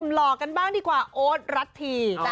หลอกกันบ้างดีกว่าโอ๊ดรัดถี่